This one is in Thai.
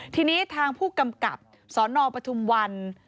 ทีนี้ทางผู้กำกับสนปทุมวัน